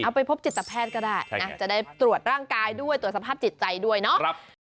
ไปพบจิตแพทย์ก็ได้นะจะได้ตรวจร่างกายด้วยตรวจสภาพจิตใจด้วยเนาะ